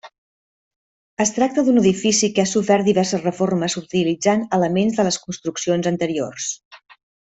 Es tracta d’un edifici que ha sofert diverses reformes utilitzant elements de les construccions anteriors.